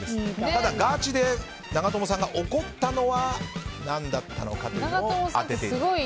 ただガチで長友さんが怒ったのは何だったのかというのを当ててください。